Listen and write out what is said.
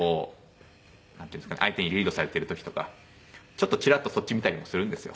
相手にリードされてる時とかちょっとチラッとそっち見たりもするんですよ。